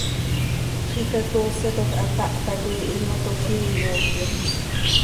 Xiica coosyatoj hapáh tacoi, ihiimotoj íi, yoocyo.